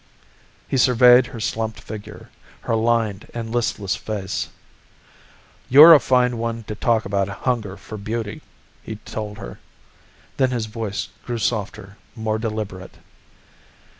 He surveyed her slumped figure, her lined and listless face. "You're a fine one to talk about hunger for beauty," he told her. Then his voice grew softer, more deliberate.